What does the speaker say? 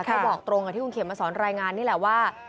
เขาบอกตรงกับที่คุณเขียนมาสอนรายงานนี่แหละว่า